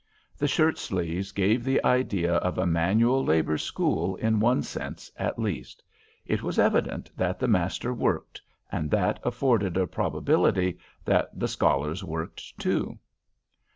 The shirt sleeves gave the idea of a manual labor school in one sense at least. It was evident that the master worked, and that afforded a probability that the scholars worked too.